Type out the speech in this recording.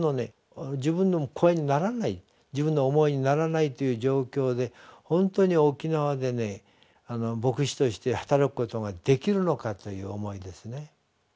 自分の声にならない自分の思いにならないという状況で本当に沖縄でね牧師として働くことができるのかという思いですね。